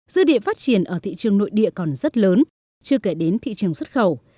dư địa phát triển ở thị trường nội địa còn rất lớn chưa kể đến thị trường xuất khẩu